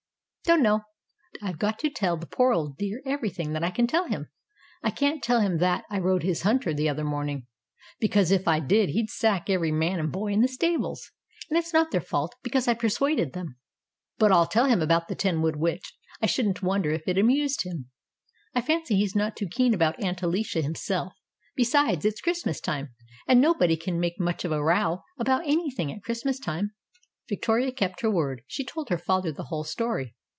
"Don't know. I've got to tell the poor old dear everything that I can tell him. I can't tell him that I rode his hunter the other morning, because if I did he'd sack every man and boy in the stables. And it's not their fault, because I persuaded them. But I'll tell him about the Tenwood Witch; I shouldn't wonder if it amused him. I fancy he's not too keen about Aunt Alicia himself. Besides, it's Christmas time, and nobody can make much of a row about anything at Christmas time." Victoria kept her word. She told her father the whole story.